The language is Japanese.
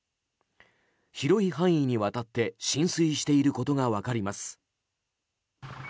広い範囲にわたって浸水していることが分かります。